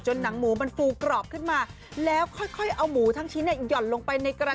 หนังหมูมันฟูกรอบขึ้นมาแล้วค่อยเอาหมูทั้งชิ้นหย่อนลงไปในกระ